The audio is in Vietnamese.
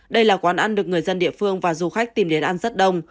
đây là quán ăn được người dân địa phương và du khách tìm đến ăn rất đông